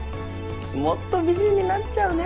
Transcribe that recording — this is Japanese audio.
もっと美人になっちゃうね。